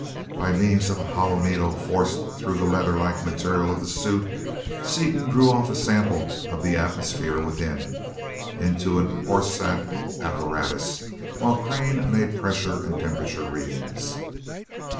By means of hollow needles forced through the leather like material of the suit Seaton drew off a sample of the atmosphere within, into an Orsat apparatus, while Crane made pressure and temperature readings.